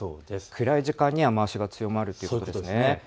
暗い時間に雨足が強まるということですね。